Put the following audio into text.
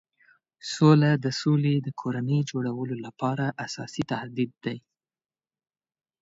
سوله د سولې د کورنۍ جوړولو لپاره اساسي تهدید دی.